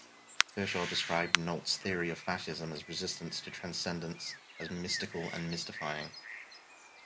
Kershaw described Nolte's theory of fascism as "resistance to transcendence" as "mystical and mystifying".